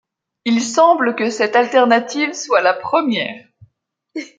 Il semble que cette alternative soit la première.